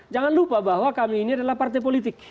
jangan lupa bahwa kami ini adalah partai politik